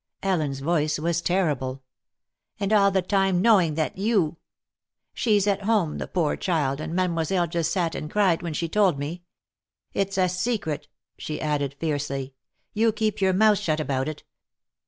Ellen's voice was terrible. "And all the time knowing that you She's at home, the poor child, and Mademoiselle just sat and cried when she told me. It's a secret," she added, fiercely. "You keep your mouth shut about it.